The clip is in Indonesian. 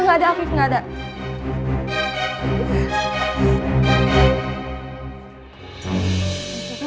nggak ada aktif nggak ada